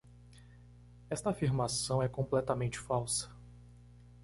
Esta afirmação é completamente falsa.